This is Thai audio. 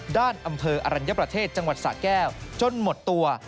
อำเภออรัญญประเทศจังหวัดสะแก้วจนหมดตัว